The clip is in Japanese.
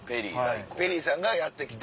ペリーさんがやって来て。